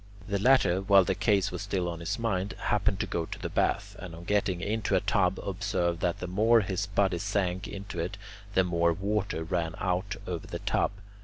The latter, while the case was still on his mind, happened to go to the bath, and on getting into a tub observed that the more his body sank into it the more water ran out over the tub.